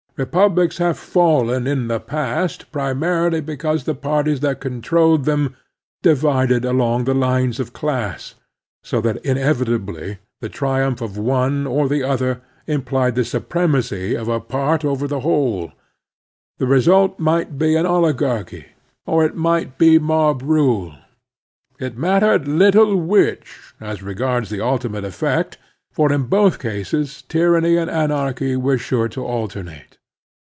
Republics have fallen in the past primarily because the parties that controlled them divided along the lines of class, so that inevitably the triumph of one or the other implied the supremacy of a part over the whole. The result might be an oligarchy, or it might be mob rule ; it mattered little which, as regards the ultimate effect, for in both cases tjnranny and anarchy were sure to alternate.